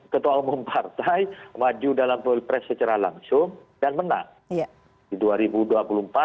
ketua umum partai maju dalam pilpres secara langsung dan menang